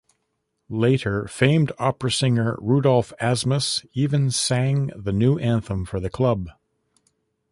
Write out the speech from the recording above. Later famed opera singer Rudolf Asmus even sang the new anthem for the club.